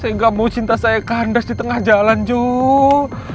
saya gak mau cinta saya kandas di tengah jalan joe